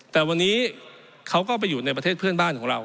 แต่วันนี้เขาก็ไปอยู่ในประเทศเพื่อนบ้านของเรา